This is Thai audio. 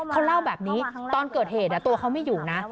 เขาเล่าแบบนี้ตอนเกิดเหตุตัวเขาไม่อยู่นะ